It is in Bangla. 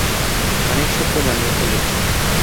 অনেক শত্রু বানিয়ে ফেলেছি।